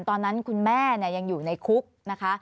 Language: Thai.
ตอนนั้นคุณแม่ยังอยู่ในคุกนะคะ